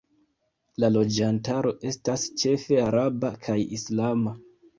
La loĝantaro estas ĉefe araba kaj islama.